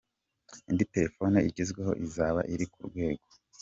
indi telefone igezweho izaba iri ku rwego.